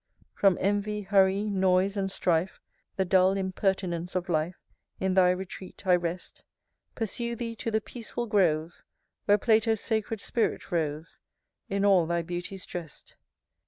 X. From envy, hurry, noise, and strife, The dull impertinence of life, In thy retreat I rest: Pursue thee to the peaceful groves, Where Plato's sacred spirit roves, In all thy beauties drest.